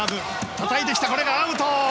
たたいてきたが、アウト！